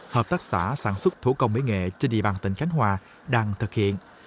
hợp tác xã sản xuất thủ công momentum trên địa bàn tỉnh khánh hòa đang thực hiện